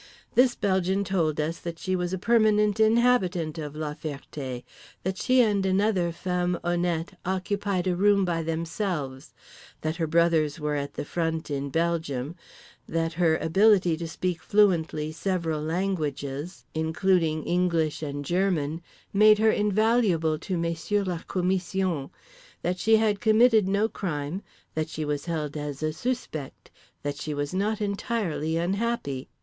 This Belgian told us that she was a permanent inhabitant of La Ferté, that she and another femme honnête occupied a room by themselves, that her brothers were at the front in Belgium, that her ability to speak fluently several languages (including English and German) made her invaluable to Messieurs la commission, that she had committed no crime, that she was held as a suspecte, that she was not entirely unhappy.